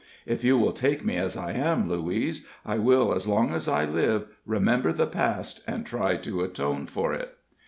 If you will take me as I am, Louise, I will, as long as I live, remember the past, and try to atone for it."